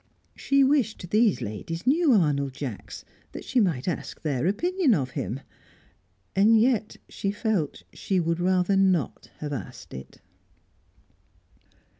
She wished these ladies knew Arnold Jacks, that she might ask their opinion of him. And yet, she felt she would rather not have asked it.